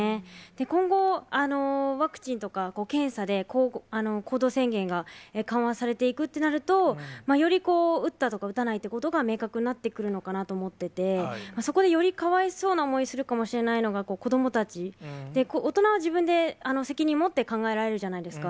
今後、ワクチンとか検査で、行動制限が緩和されていくってなると、より打ったとか打たないということが明確になってくるのかなと思ってて、そこでよりかわいそうな思いをするかもしれないのが、子どもたち、大人は自分で責任もって考えられるじゃないですか。